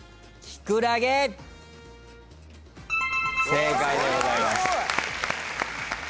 正解でございます。